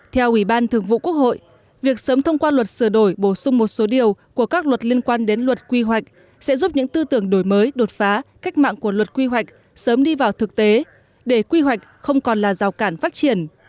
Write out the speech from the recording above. theo ủy ban thường vụ quốc hội việc sớm thông qua luật sửa đổi bổ sung một số điều của các luật liên quan đến luật quy hoạch sẽ giúp những tư tưởng đổi mới đột phá cách mạng của luật quy hoạch sớm đi vào thực tế để quy hoạch không còn là rào cản phát triển